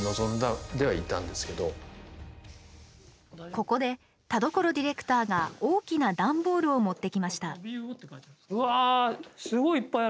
ここで田所ディレクターが大きな段ボールを持ってきました。